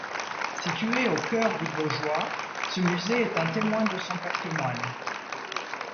Situé au cœur du Baugeois, ce musée est un témoin de son patrimoine.